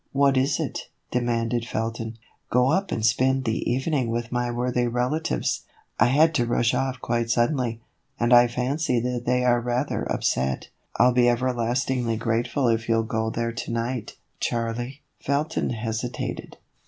" What is it ?" demanded Felton. " Go up and spend the evening with my worthy relatives. I had to rush off quite suddenly, and I fancy that they are rather upset. I '11 be ever lastingly grateful if you'll go there to night, Charlie." Felton hesitated.